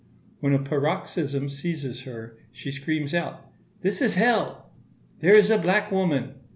When a paroxysm seizes her, she screams out, "This is hell!" "There is a black woman!"